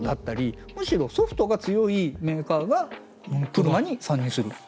むしろソフトが強いメーカーが車に参入する。